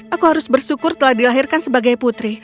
aku harus bersyukur telah dilahirkan sebagai putri